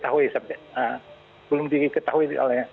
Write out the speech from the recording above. tapi diketahui belum diketahui